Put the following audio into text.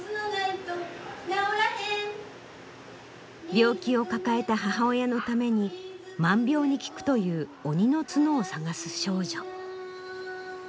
病気を抱えた母親のために万病に効くという鬼の角を探す少女。